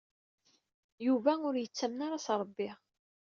Yuba ur yettamen ara s Ṛebbi.